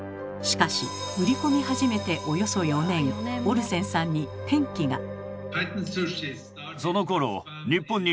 しかし売り込み始めておよそ４年オルセンさんに転機が。